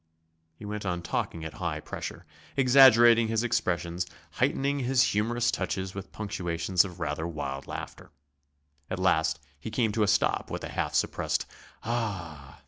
He went on talking at high pressure, exaggerating his expressions, heightening his humorous touches with punctuations of rather wild laughter. At last he came to a stop with a half suppressed "Ah!"